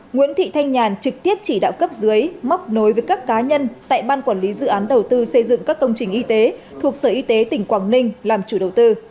nguyễn thị thanh nhàn trực tiếp chỉ đạo cấp dưới móc nối với các cá nhân tại ban quản lý dự án đầu tư xây dựng các công trình y tế thuộc sở y tế tỉnh quảng ninh làm chủ đầu tư